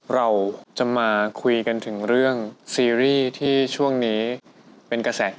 เราจะมาคุยกันถึงเรื่องซีรีส์ที่ช่วงนี้เป็นกระแสหรือยังเป็นกระแสอยู่ป่ะ